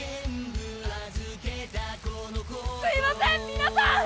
すいません皆さん！